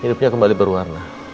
hidupnya kembali berwarna